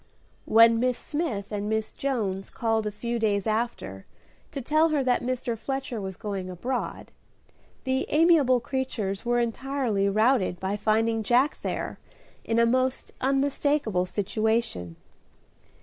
When Miss Smith and Miss Jones called a few days after to tell her that Mr. Fletcher was going abroad, the amiable creatures were entirely routed by finding Jack there in a most unmistakable situation.